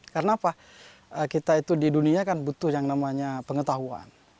karena apa kita itu di dunia kan butuh yang namanya pengetahuan